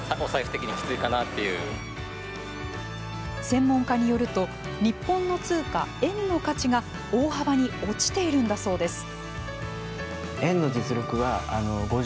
専門家によると日本の通貨円の価値が、大幅に落ちているんだそうです。